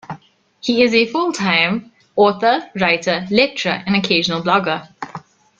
He is a full-time author, writer, lecturer and occasional blogger.